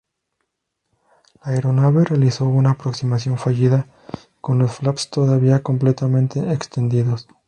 La aeronave realizó una aproximación fallida con los flaps todavía completamente extendidos.